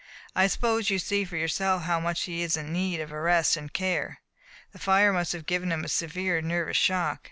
I suppose you see for yourself how much he is in need of rest and care. The fire must have given him a severe nervous shock."